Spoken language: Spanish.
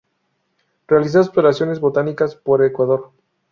Realizó exploraciones botánicas por Ecuador.